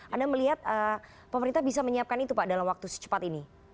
anda melihat pemerintah bisa menyiapkan itu pak dalam waktu secepat ini